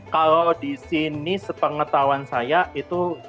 kalau di sini sepengetahuan saya itu